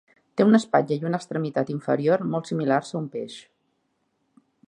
Té una espatlla i una extremitat inferior molt similars a un peix.